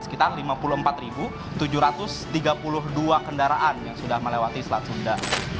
sekitar lima puluh empat tujuh ratus tiga puluh dua kendaraan yang sudah melewati selat sunda